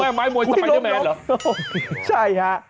แม่ไม้มวยสไปเดอร์แมนหรือโอ้โฮใช่ฮะ